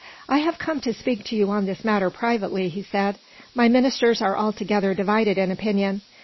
"I have come to speak to you on this matter, privately," he said. "My ministers are altogether divided in opinion.